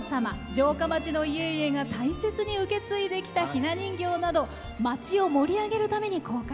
城下町の家々が大切に受け継いできたひな人形など町を盛り上げるために公開。